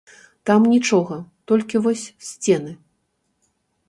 Там нічога, толькі вось сцены!